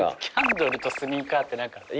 キャンドルとスニーカーって何か。